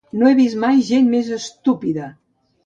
No he vist mai gent més estúpida!